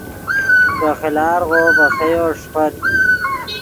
پہ خیلارغو ڤے خییو ݰیفت